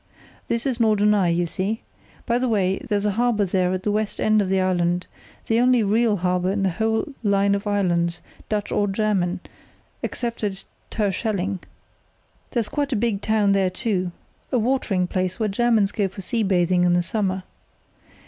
"Here's Norderney, you see. By the way, there's a harbour there at the west end of the island, the only real harbour on the whole line of islands, Dutch or German, except at Terschelling. There's quite a big town there, too, a watering place, where Germans go for sea bathing in the summer.